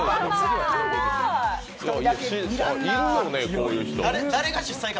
いるよね、こういう人。